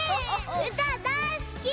うただいすき！